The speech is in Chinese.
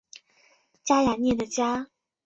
加雅涅的家。